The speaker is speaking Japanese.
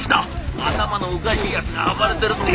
「頭のおかしいやつが暴れてるってよ」。